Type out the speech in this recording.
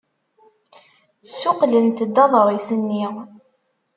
Ssuqqlent-d aḍris-nni.